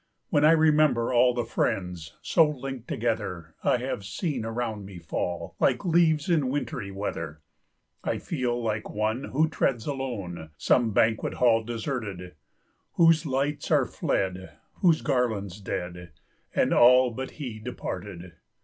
When I remember all The friends, so link'd together, I've seen around me fall Like leaves in wintry weather, I feel like one Who treads alone Some banquet hall deserted, Whose lights are fled, Whose garlands dead, And all but he departed!